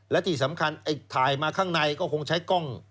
และที่สำคัญไอ้ถ่ายมาข้างในก็คงใช้กล้อง